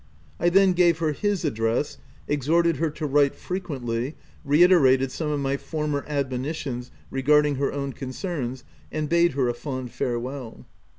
I then gave her his address, exhorted her to write frequently, reite rated some of my former admonitions regard ing her own concerns, and bade her a fond fare well.